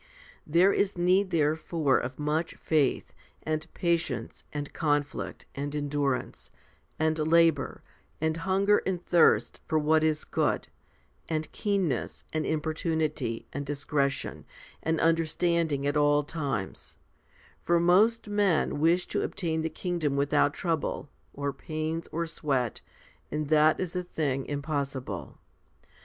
There is need therefore of much faith, and patience, and conflict, and endurance, and labour, and hunger and thirst for what is good, and 50 FIFTY SPIRITUAL HOMILIES keenness, and importunity, and discretion, and understanding at all times ; for most men wish to obtain the kingdom without trouble, or pains, or sweat, and that is a thing impossible.